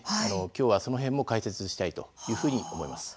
きょうは、その辺も解説したいというふうに思います。